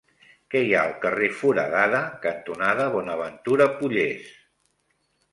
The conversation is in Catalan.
Què hi ha al carrer Foradada cantonada Bonaventura Pollés?